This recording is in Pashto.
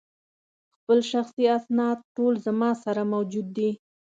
خپل شخصي اسناد ټول زما سره موجود دي.